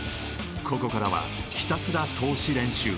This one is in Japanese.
ここからはひたすら通し練習